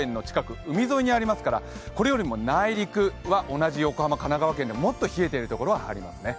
海沿いにありますからこれよりも内陸は同じ横浜、神奈川県でももっと冷えているところがありますね。